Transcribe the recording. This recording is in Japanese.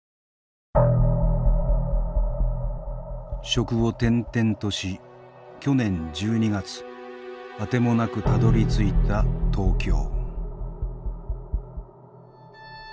職を転々とし去年１２月あてもなくたどりついた東京。